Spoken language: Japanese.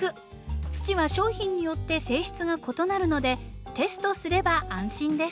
土は商品によって性質が異なるのでテストすれば安心です。